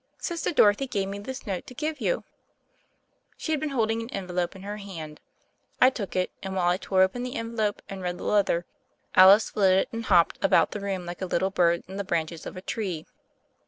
Sister Dorothy gave me this note to give you." She had been holding an envelope in her hand. I took it, and while I tore open the envelope and read the letter Alice flitted and hopped about the room like a little bird in the branches of a tree.